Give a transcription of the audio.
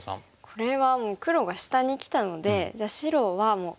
これはもう黒が下にきたのでじゃあ白はもう中央作戦で。